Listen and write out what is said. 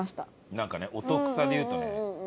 なんかねお得さでいうとね。